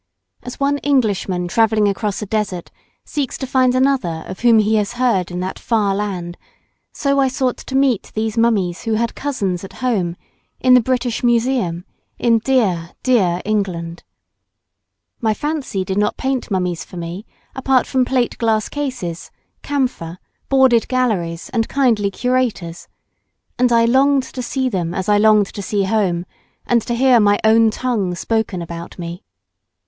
As one Englishman travelling across a desert seeks to find another of whom he has heard in that far land, so I sought to meet these mummies who had cousins at home, in the British Museum, in dear, dear England. My fancy did not paint mummies for me apart from plate glass cases, camphor, boarded galleries, and kindly curators, and I longed to see them as I longed to see home, and to hear my own tongue spoken about me.